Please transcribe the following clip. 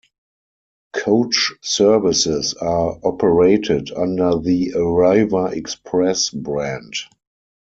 Coach services are operated under the Arriva Express brand.